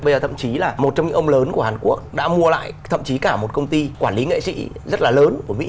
bây giờ thậm chí là một trong những ông lớn của hàn quốc đã mua lại thậm chí cả một công ty quản lý nghệ sĩ rất là lớn của mỹ